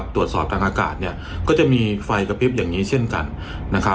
ตรวจสอบทางอากาศก็จะมีไฟกระพริบอย่างนี้เช่นกันนะครับ